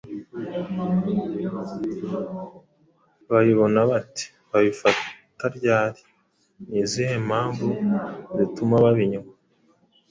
Babibona bate? Babifata ryari? Ni izihe mpamvu zituma babinywa?